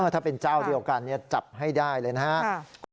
ถ้าเป็นเจ้าเดียวกันจับให้ได้เลยนะครับ